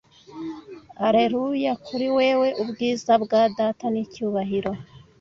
alleluia kuri wewe ubwiza bwa data n'icyubahiro